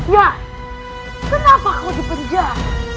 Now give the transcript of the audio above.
ya kenapa kau dipejar